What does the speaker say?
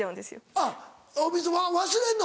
あっ忘れんの？